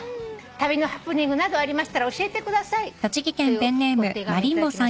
旅のハプニングなどありましたら教えてください」というお手紙頂きまして。